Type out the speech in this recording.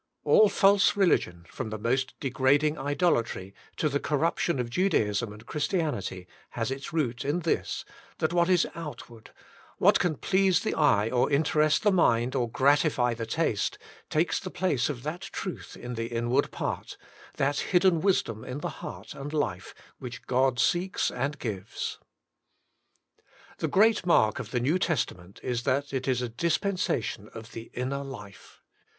All false religion, from the most degrading idolatry to the corruption of Judaism and Chris tianity, has its root in this, that what is outward, what can please the eye, or interest the mind, or gratify the taste, takes the place of that truth in the inward part, that hidden wisdom in the heart and life which God seeks and gives. The great mark of the New Testament is that it is a dispensation of the inner life.